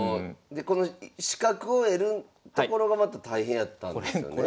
でこの資格を得るところがまた大変やったんですよね？